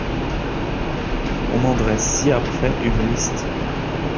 On en dresse ci-après une liste.